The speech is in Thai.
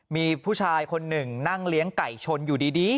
มีผู้ชายคนหนึ่งนั่งเลี้ยงไก่ชนอยู่ดี